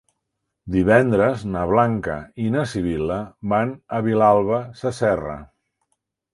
Divendres na Blanca i na Sibil·la van a Vilalba Sasserra.